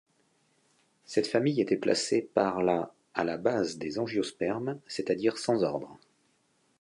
Cette famille était placée par la à la base des Angiospermes, c'est-à-dire sans ordre.